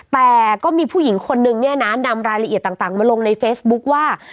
แต่ก็มีผู้หญิงคนนึงเนี่ยนะนำรายละเอียดต่างมาลงในเฟซบุ๊คว่า